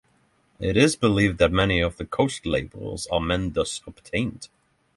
It is believed that many of the coast laborers are men thus obtained.